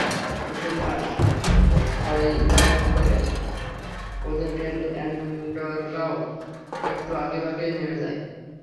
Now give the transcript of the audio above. Mitchell Marsh ছয়ে bat করে, ওদের টেল এন্ডাররাও একটু আগেভাগেই নেমে যায়।